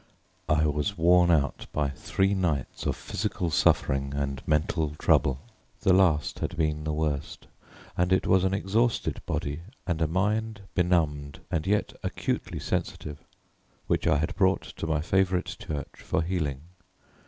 I was worn out by three nights of physical suffering and mental trouble: the last had been the worst, and it was an exhausted body, and a mind benumbed and yet acutely sensitive, which I had brought to my favourite church for healing.